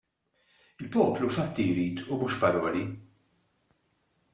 Il-poplu fatti jrid u mhux paroli.